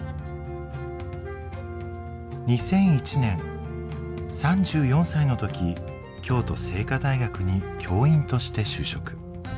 ２００１年３４歳の時京都精華大学に教員として就職。